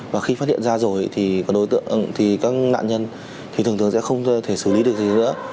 và khi phát hiện ra rồi thì các nạn nhân thì thường thường sẽ không thể xử lý được gì nữa